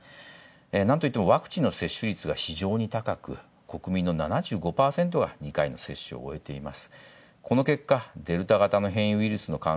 なんといってもワクチンの接種率が非常に高く、国民の７５％が２回の接種を終えています。